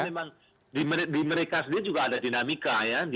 karena memang di mereka sendiri juga ada dinamika ya